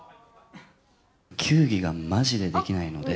球技がまじでできないので。